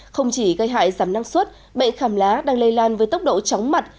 không chỉ gây hại giảm năng suất bệnh khảm lá đang lây lan với tốc độ chóng mặt